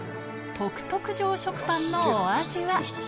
特特上食パンのお味は？